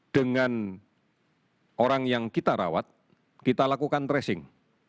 dengan orang yang kita rawat kita lakukan tracing